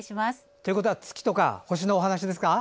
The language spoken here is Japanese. ということは月とか星のお話ですか？